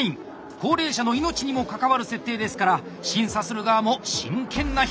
高齢者の命にも関わる設定ですから審査する側も真剣な表情であります。